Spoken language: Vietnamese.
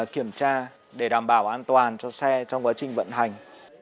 kiểm tra để đảm bảo an toàn cho xe trong quá trình vận hành